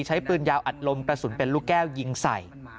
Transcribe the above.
ใช้ปืนยาวอัดลมกระสุนเป็นลูกแก้วยิงใส่